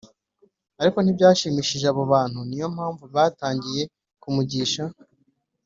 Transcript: ariko ntibyashimishije abo bantu Ni yo mpamvu batangiye kumugisha